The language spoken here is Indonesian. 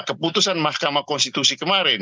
keputusan mahkamah konstitusi kemarin